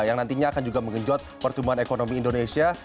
yang nantinya akan juga mengenjot pertumbuhan ekonomi indonesia